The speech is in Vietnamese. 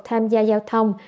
tham gia giao thông